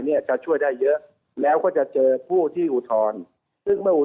มีการสั่งการขำชับให้ดำเนินการทุกอย่างให้ไว